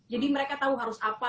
mereka tahu harus apa